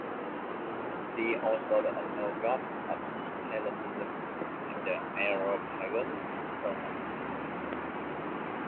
See also the Unknown God of Hellenism and the Areopagus sermon.